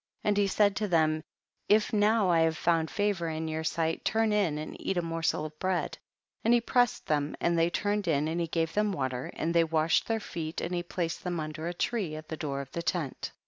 5. And he said to them, if now I have found favor in your sight, turn in and eat a morsel of bread ; and he pressed them, and they turned in and he gave them water and they washed their feet, and he placed them under a tree at the door of the tent.